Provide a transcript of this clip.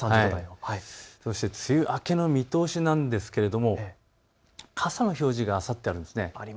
そして梅雨明けの見通しなんですが傘の表示があさってありますね。